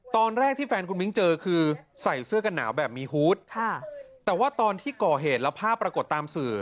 ตอนแรกที่แฟนคุณมิ้งเจอคือใส่เสื้อกันหนาวแบบมีฮูตค่ะแต่ว่าตอนที่ก่อเหตุแล้วภาพปรากฏตามสื่อ